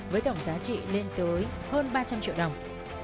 với tổng giá trị lên tới hơn ba trăm linh triệu đồng